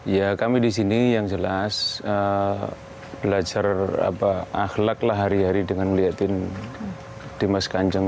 ya kami di sini yang jelas belajar akhlaklah hari hari dengan melihatkan dimas kanjeng